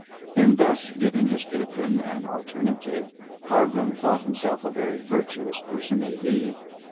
In thus giving his patron an alternative, Cargrim thought himself a very virtuous person indeed.